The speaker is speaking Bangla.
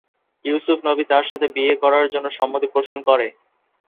ইউসুফ নবি তার সাথে বিয়ে করার জন্য সম্মতি পোষণ করে।